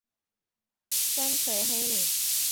三陲黑岭。